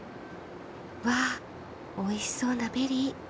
わっおいしそうなベリー。